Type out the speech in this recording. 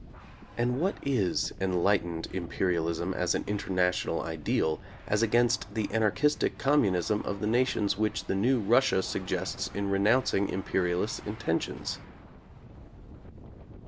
And what is en lightened imperialism as an international ideal as [ 104] against the anarchistic communism of the nations which the new Russia suggests in renouncing im perialist intentions?